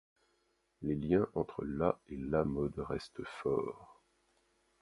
Les liens entre la et la mode restent forts.